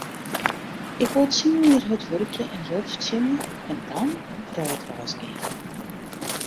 Ik wol tsien jier hurd wurkje en jild fertsjinje en dan op wrâldreis gean.